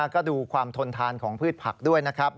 ก็ดูความทนทานของพืชผักด้วยนะครับ